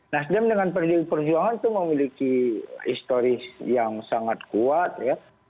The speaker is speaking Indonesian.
nasdem dengan pdi perjuangan itu memiliki historis yang sangat kuat ya